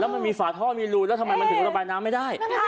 มันมีฝาท่อมีรูแล้วทำไมมันถึงระบายน้ำไม่ได้